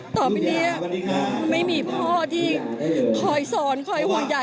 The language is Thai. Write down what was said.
ต่อไปนี้ไม่มีพ่อที่คอยสอนคอยห่วงใหญ่